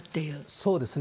そうですね。